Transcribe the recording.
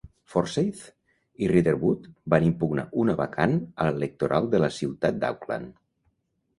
Forsaith i Reader Wood van impugnar una vacant a l"electoral de la ciutat d"Auckland.